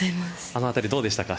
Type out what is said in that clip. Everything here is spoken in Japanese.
あのあたり、どうでしたか？